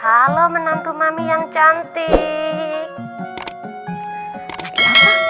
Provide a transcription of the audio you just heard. halo menantu mami yang cantik